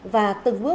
và tương tư